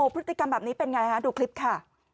พฤติกรรมแบบนี้เป็นไงฮะดูคลิปค่ะ